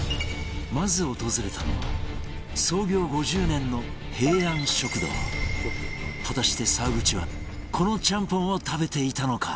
まず訪れたのは果たして沢口はこのちゃんぽんを食べていたのか？